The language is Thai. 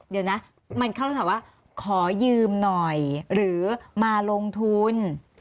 เดี๋ยวนะมันเข้าแล้วถามว่าขอยืมหน่อยหรือมาลงทุน